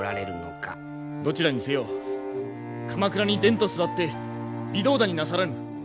どちらにせよ鎌倉にでんと座って微動だになさらぬ。